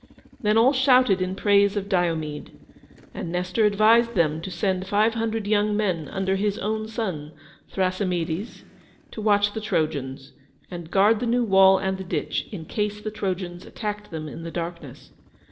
Then all shouted in praise of Diomede, and Nestor advised them to send five hundred young men, under his own son, Thrasymedes, to watch the Trojans, and guard the new wall and the ditch, in case the Trojans attacked them in the darkness.